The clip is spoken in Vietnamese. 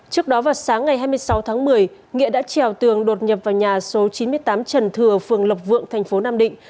trước đó vào sáng ngày hai mươi sáu tháng một mươi nghĩa đã trèo tường đột nhập vào nhà số chín mươi tám trần thừa phường lộc vượng thành phố nam định